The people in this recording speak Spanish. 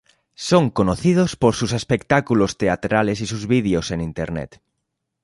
Son conocidos por sus espectáculos teatrales y sus vídeos en internet.